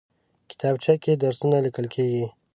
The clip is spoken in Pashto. کتابچه کې درسونه لیکل کېږي